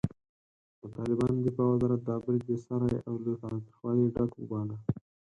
د طالبانو دفاع وزارت دا برید بېساری او له تاوتریخوالي ډک وباله.